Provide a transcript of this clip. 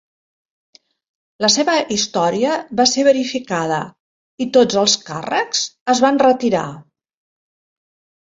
La seva història va ser verificada i tots els càrrecs es van retirar.